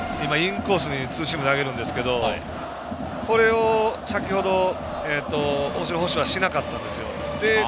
今、インコースにツーシーム投げるんですけどこれを先ほど、大城捕手はしなかったんですよ。